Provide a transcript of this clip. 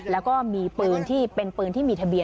แล้วก็มีปืนที่เป็นปืนที่มีทะเบียน